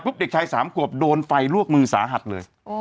เด็กชาย๓ขวบโดนไฟลวกมือสาหัสเลย